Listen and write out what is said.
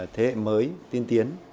thế hệ mới tiên tiến